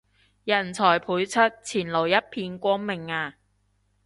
人才輩出，前路一片光明啊